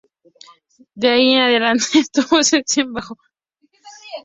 De ahí en adelante salvo una excepción pasó a celebrarse anualmente.